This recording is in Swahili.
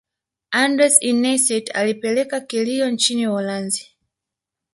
andres iniesta alipeleka kilio nchini Uholanzi